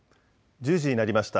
１０時になりました。